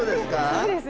そうですね。